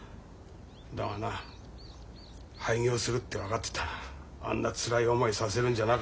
だがな廃業するって分かってたらあんなつらい思いさせるんじゃなかった。